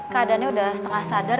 keadaannya udah setengah sadar